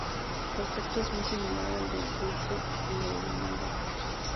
Su aspecto es muy similar al del buitre leonado.